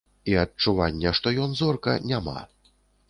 І адчування, што ён зорка, няма.